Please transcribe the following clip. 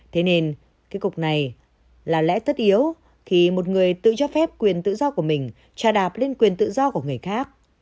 thế nên cái cục này là lẽ tất yếu khi một người tự cho phép quyền tự do của mình trà đạp lên quyền tự do của người khác